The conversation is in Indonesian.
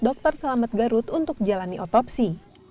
dokter selamat garut untuk jalani otopsi